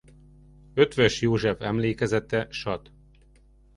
Eötvös József emlékezete sat.